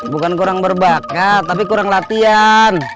bukan kurang berbakat tapi kurang latihan